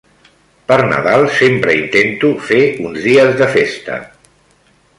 Per Nadal sempre intento fer uns dies de festa.